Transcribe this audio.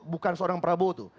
bukan seorang prabowo tuh